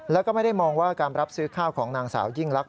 แล้วก็ไม่ได้มองว่าการรับซื้อข้าวของนางสาวยิ่งลักษ